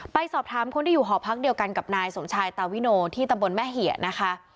ไปสอบถามคนที่อยู่หอพักเดียวกันกับนายสมชายตาวิโนที่ตำบลแม่เหี่ยนะคะ